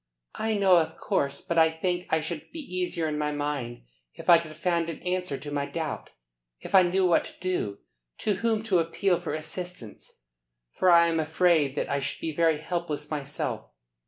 "I know, of course. But I think I should be easier in my mind if I could find an answer to my doubt. If I knew what to do, to whom to appeal for assistance, for I am afraid that I should be very helpless myself.